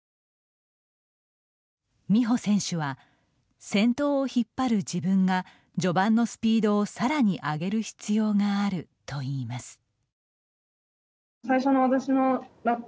美帆選手は「先頭を引っ張る自分が序盤のスピードをさらに上げる必要がある」と言います。